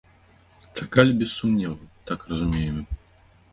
Чакалі без сумневу, так разумеем.